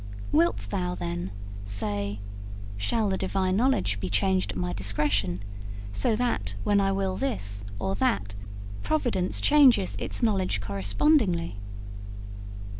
Wilt thou, then, say: "Shall the Divine knowledge be changed at my discretion, so that, when I will this or that, providence changes its knowledge correspondingly?"